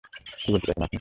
কী বলতে চাইছেন আপনি?